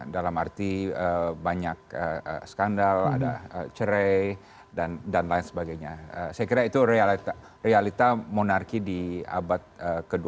dalam arti banyak skandal ada cerai dan dan lain sebagainya saya kira itu realita realita monarki di abad ke dua puluh